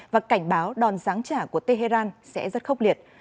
và cảnh báo đòn giáng trả của tehran sẽ rất khốc liệt